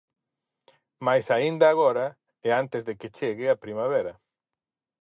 Máis aínda agora e antes de que chegue a primavera.